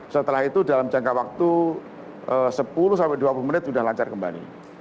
setelah itu dalam jangka waktu sepuluh sampai dua puluh menit sudah lancar kembali